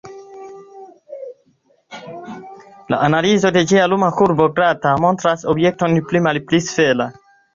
La analizo de ĝia luma kurbo, glata, montras objekton pli malpli sfera.